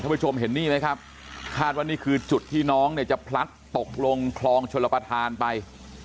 ผู้ชมเห็นนี่ไหมครับคาดว่านี่คือจุดที่น้องเนี่ยจะพลัดตกลงคลองชลประธานไป